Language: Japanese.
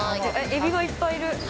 エビがいっぱいいる。